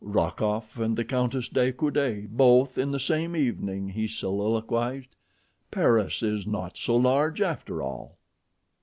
"Rokoff and the Countess de Coude both in the same evening," he soliloquized; "Paris is not so large, after all."